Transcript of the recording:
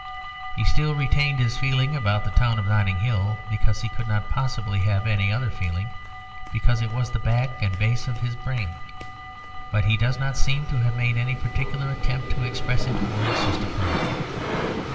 He still retained his feeling about the town of Notting Hill, because he could not possibly have any other feeling, because it was the back and base of his brain. But he does not seem to have made any particular attempt to express it or insist upon it.